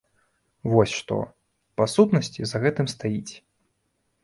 Вось што, па сутнасці, за гэтым стаіць.